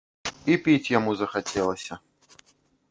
І піць яму захацелася.